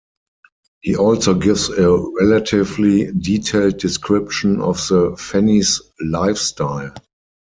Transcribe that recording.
He also gives a relatively detailed description of the Fenni's lifestyle.